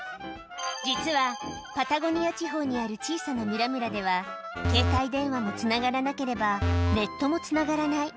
実はパタゴニア地方にある小さな村々では、携帯電話もつながらなければ、ネットもつながらない。